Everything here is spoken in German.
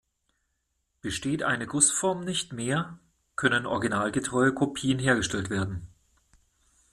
Besteht eine Gussform nicht mehr, können originalgetreue Kopien hergestellt werden.